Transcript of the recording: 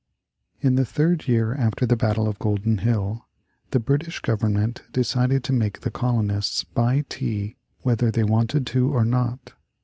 In the third year after the battle of Golden Hill, the British Government decided to make the colonists buy tea whether they wanted to or not.